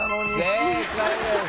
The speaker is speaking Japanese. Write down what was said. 正解です。